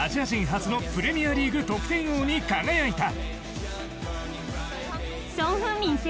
初のプレミアリーグ得点王に輝いた。